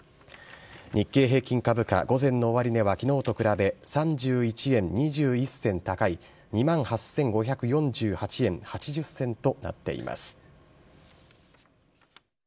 日経平均株価午前の終値は、きのうと比べ３１円２１銭高い２万８５４８円８０銭となっています。